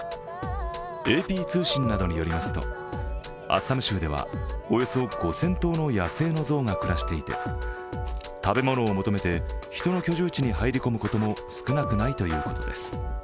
ＡＰ通信などによりますと、アッサム州ではおよそ５０００頭の野生の象が暮らしていて食べ物を求めて人の居住地に入り込むことも少なくないといいます。